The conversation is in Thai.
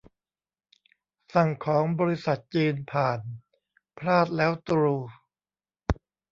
สั่งของบริษัทจีนผ่าน พลาดแล้วตรู